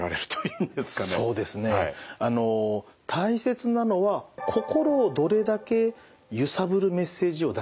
そうですね大切なのは心をどれだけゆさぶるメッセージを出せるかと。